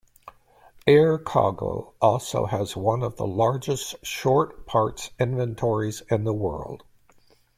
Air Cargo also has one of the largest Short parts inventories in the world.